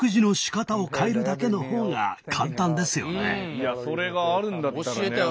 いやそれがあるんだったら。